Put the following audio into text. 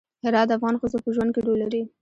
هرات د افغان ښځو په ژوند کې رول لري.